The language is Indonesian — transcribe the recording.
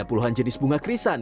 eo saat penerbangan jaman